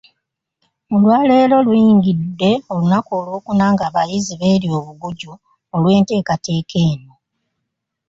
Olwaleero, luyingidde olunaku Olwokuna ng'abayizi beerya obuguju olw'enteekateeka eno.